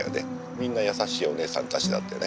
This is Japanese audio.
みんな優しいおねえさんたちだったよね